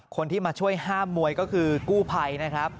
คนที่มาช่วยห้ามมวยก็คือกู้ภัยนะครับ